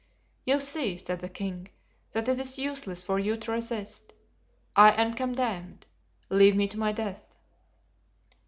"You see," said the king, "that it is useless for you to resist. I am condemned; leave me to my death."